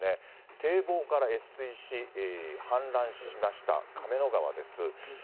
堤防から越水し、氾濫しました、亀の川です。